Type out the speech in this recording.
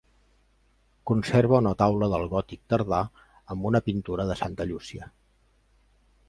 Conserva una taula del gòtic tardà, amb una pintura de santa Llúcia.